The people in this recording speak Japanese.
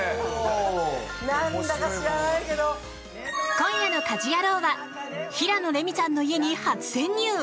今夜の「家事ヤロウ！！！」は平野レミさんの家に初潜入。